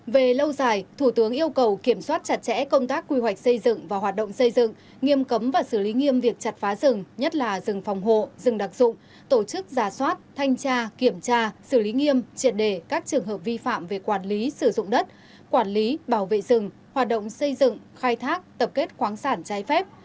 về lâu dài thủ tướng yêu cầu kiểm soát chặt chẽ công tác quy hoạch xây dựng và hoạt động xây dựng nghiêm cấm và xử lý nghiêm việc chặt phá rừng nhất là rừng phòng hộ rừng đặc dụng tổ chức giả soát thanh tra kiểm tra xử lý nghiêm triệt đề các trường hợp vi phạm về quản lý sử dụng đất quản lý bảo vệ rừng hoạt động xây dựng khai thác tập kết khoáng sản trái phép